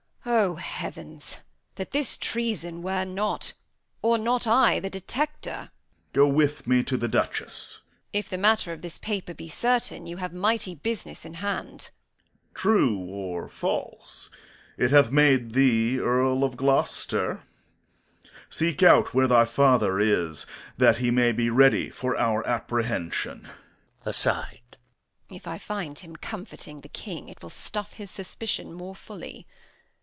O heavens! that this treason were not or not I the detector! Corn. Go with me to the Duchess. Edm. If the matter of this paper be certain, you have mighty business in hand. Corn. True or false, it hath made thee Earl of Gloucester. Seek out where thy father is, that he may be ready for our apprehension. Edm. [aside] If I find him comforting the King, it will stuff his suspicion more fully.